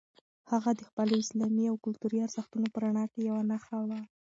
هغه د خپلو اسلامي او کلتوري ارزښتونو په رڼا کې یوه نښه وه.